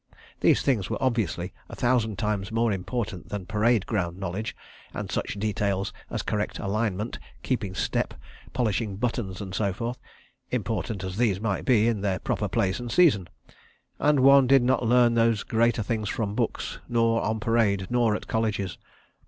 These things were obviously a thousand times more important than parade ground knowledge and such details as correct alignment, keeping step, polishing buttons, and so forth—important as these might be in their proper place and season. And one did not learn those greater things from books, nor on parade, nor at colleges.